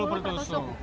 dua puluh per tusuk